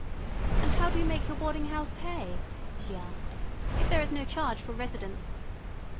"And how do you make your boarding house pay," she asked, "if there is no charge for residence?"